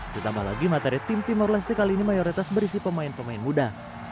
ditambah lagi materi tim timor leste kali ini mayoritas berisi pemain pemain muda